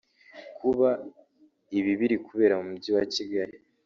Kuba ibi biri kubera mu mujyi wa Kigali